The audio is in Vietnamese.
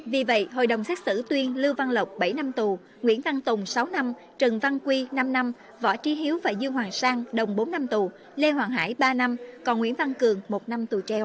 vì vậy hội đồng xét xử tuyên lưu văn lộc bảy năm tù nguyễn văn tùng sáu năm trần văn quy năm năm võ trí hiếu và dương hoàng sang đồng bốn năm tù lê hoàng hải ba năm còn nguyễn văn cường một năm tù treo